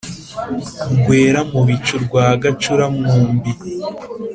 rwera-mu-bicu rwa gacura-nkumbi,